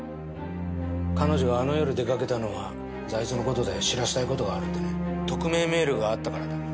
彼女があの夜出掛けたのは財津の事で知らせたい事があるって匿名メールがあったからだ。